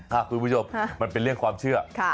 คุณผู้ชมมันเป็นเรื่องความเชื่อ